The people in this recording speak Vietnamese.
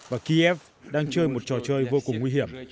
và kiev đang chơi một trò chơi vô cùng nguy hiểm